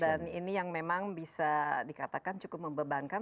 dan ini yang memang bisa dikatakan cukup membebankan